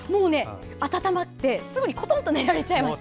温まって、すぐにコトンと寝ちゃいました。